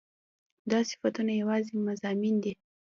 دا صفتونه يواځې مضامين دي